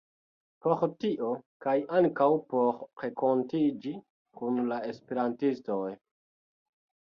Por tio, kaj ankaŭ por renkontiĝi kun la esperantistoj